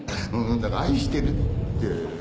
だから愛してるって。